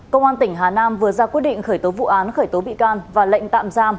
cơ quan tỉnh hà nội vừa ra quyết định khởi tố vụ án khởi tố bị can và lệnh tạm giam